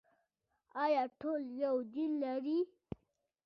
آیا ټول یو دین لري؟